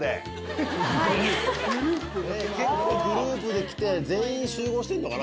結構グループで来て全員集合してんのかな？